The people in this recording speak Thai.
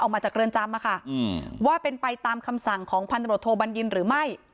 มาจากเรือนจำว่าเป็นไปตามคำสั่งของพันตรวจโทบัญญินหรือไม่